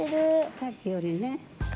さっきよりね。